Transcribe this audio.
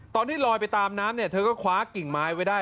ตอนที่ลอยไปตามน้ำเนี่ยเธอก็คว้ากิ่งไม้ไว้ได้